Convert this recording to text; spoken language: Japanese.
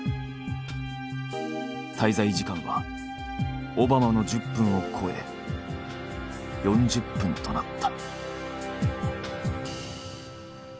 滞在時間はオバマの１０分を超え４０分となった。